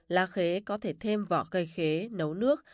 lá khế có thể thêm vỏ cây khế nấu nước